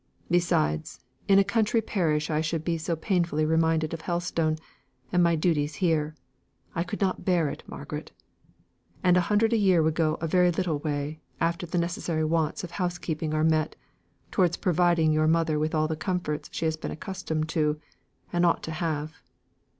Besides, in a country parish I should be so painfully reminded of Helstone, and my duties here. I could not bear it, Margaret. And a hundred a year would go a very little way, after the necessary wants of housekeeping are met, towards providing your mother with all the comforts she has been accustomed to, and ought to have.